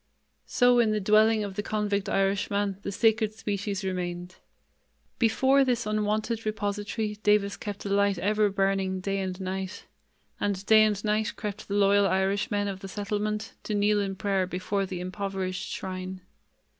So in the dwelling of the convict Irishman the Sacred Species remained. Before this unwonted repository Davis kept a light ever burning day and night; and day and night crept the loyal Irishmen of the settlement to kneel in prayer before the improvised shrine.